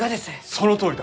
そのとおりだ！